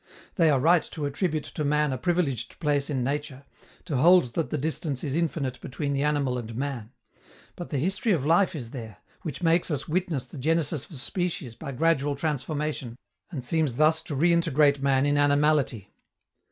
They are right to attribute to man a privileged place in nature, to hold that the distance is infinite between the animal and man; but the history of life is there, which makes us witness the genesis of species by gradual transformation, and seems thus to reintegrate man in animality.